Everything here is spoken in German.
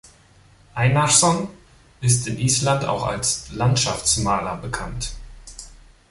Einarsson ist in Island auch als Landschaftsmaler bekannt.